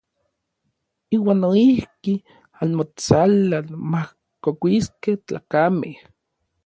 Iuan noijki anmotsalan majkokuiskej tlakamej.